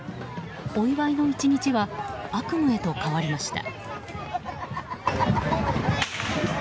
お祝いの１日は悪夢へと変わりました。